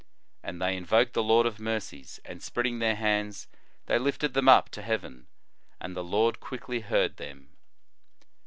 " And they invoked the Lord of mercies, and spreading their hands, they lifted them up to heaven. And the Lord quickly heard them."